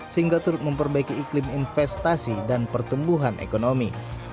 sehingga turut memperbaiki iklim investasi dan pertumbuhan ekonomi